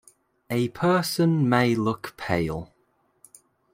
A person may look pale.